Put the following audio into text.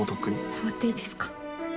触っていいですか？